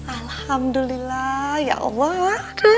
alhamdulillah ya allah